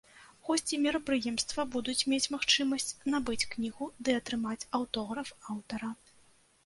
Госці мерапрыемства будуць мець магчымасць набыць кнігу ды атрымаць аўтограф аўтара.